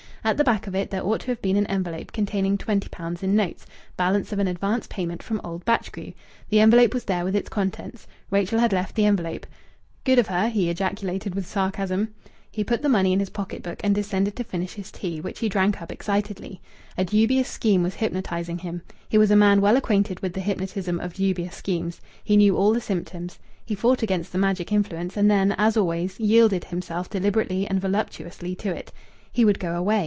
At the back of it there ought to have been an envelope containing twenty pounds in notes, balance of an advance payment from old Batchgrew. The envelope was there with its contents. Rachel had left the envelope. "Good of her!" he ejaculated with sarcasm. He put the money in his pocket book, and descended to finish his tea, which he drank up excitedly. A dubious scheme was hypnotizing him. He was a man well acquainted with the hypnotism of dubious schemes. He knew all the symptoms. He fought against the magic influence, and then, as always, yielded himself deliberately and voluptuously to it. He would go away.